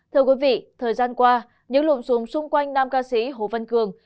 thưa quý vị thời gian qua những lụm xuống xung quanh nam ca sĩ hồ văn cường